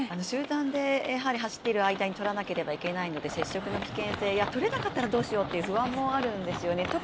集団で走っている間に取らなければいけないので接触の危険性や、取れなかったらどうしようという不安もあるんですよね